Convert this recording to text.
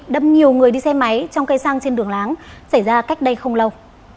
đâm nhiều người đi xe máy trong cây xăng trên đường láng xảy ra cách đây không lâu